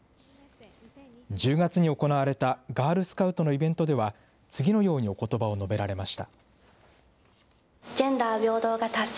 １０月に行われたガールスカウトのイベントでは、次のようにおことばを述べられました。